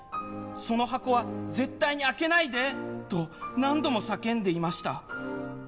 その箱は絶対に開けないで！」と何度も叫んでいました。